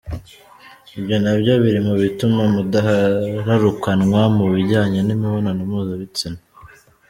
Ibyo nabyo biri mu bituma mudahararukanwa mu bijyanye n’imibonano mpuzabitsina.